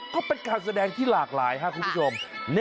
ก็เป็นการแสดงที่หลากหลายครับคุณผู้ชม